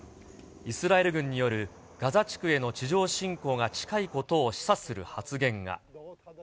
イスラエル軍によるガザ地区への地上侵攻が近いことを示唆する発言が。